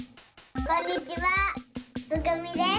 こんにちはつぐみです。